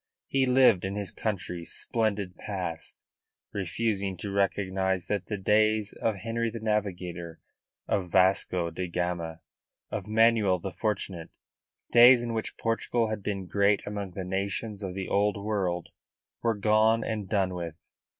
He lived in his country's splendid past, refusing to recognise that the days of Henry the Navigator, of Vasco da Gama, of Manuel the Fortunate days in which Portugal had been great indeed among the nations of the Old World were gone and done with.